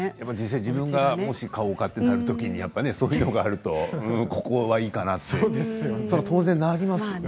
自分がもし買おうかとなるときにそういうのがあるとここはいいかなと当然なりますよね。